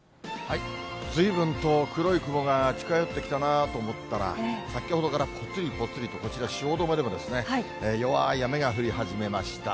ずいぶんと黒い雲が近寄ってきたなと思ったら、先ほどからぽつりぽつりとこちら、汐留でも弱い雨が降り始めました。